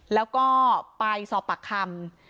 แล้วก็ไปสอบปากคำ